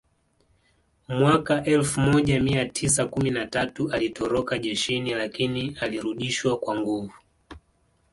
Mwaka elfu moja mia tisa kumi na tatu alitoroka jeshini lakini alirudishwa kwa nguvu